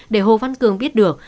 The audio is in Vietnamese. để hồ văn cường biết được